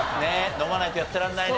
飲まないとやってらんないね。